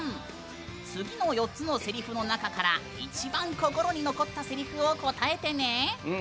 次の４つのせりふの中から一番心に残ったせりふを答えてね！